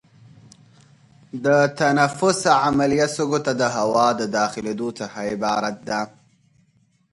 د تنفس عملیه سږو ته د هوا د داخلېدو څخه عبارت ده.